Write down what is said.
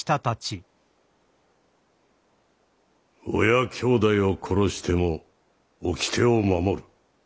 親兄弟を殺しても掟を守る。